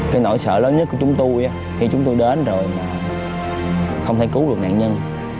cái nỗi sợ lớn nhất của chúng tôi khi chúng tôi đến rồi không thể cứu được nạn nhân